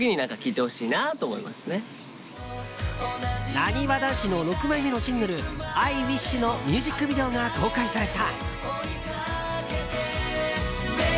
なにわ男子の６枚目のシングル「ＩＷｉｓｈ」のミュージックビデオが公開された。